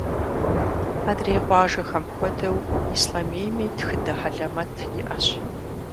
Адрей къуажэхэм хуэдэу, Ислъэмейми тхыдэ хьэлэмэт иӏэщ.